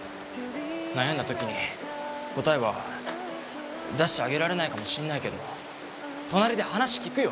悩んだ時に答えは出してあげられないかもしんないけど隣で話聞くよ！